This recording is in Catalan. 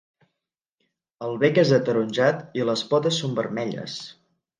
El bec és ataronjat i les potes són vermelles.